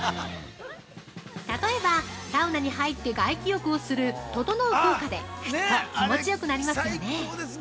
◆例えば、サウナに入って外気浴をする、ととのう効果でふっと気持ちよくなりますよね。